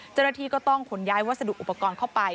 จนดังทีก็ต้องขนย้ายวัสดุอุปกรณ์เข้าไป